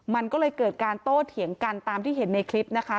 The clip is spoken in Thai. มันก็เลยเกิดการโต้เถียงกันตามที่เห็นในคลิปนะคะ